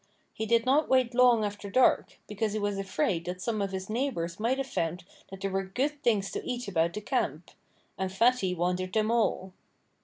He did not wait long after dark, because he was afraid that some of his neighbors might have found that there were good things to eat about the camp. And Fatty wanted them all.